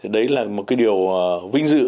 đấy là một điều vinh dự